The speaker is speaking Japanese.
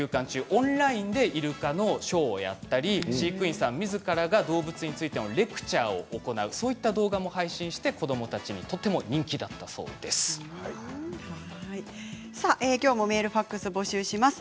オンラインでイルカのショーをやったり飼育員みずから動物についてレクチャーを行うそういった動画も配信して子どもたちにきょうもメールファックスを募集します。